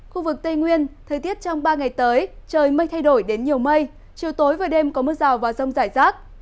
khu vực tây nguyên thời tiết trong ba ngày tới trời mây thay đổi đến nhiều mây chiều tối và đêm có mưa rào và rông rải rác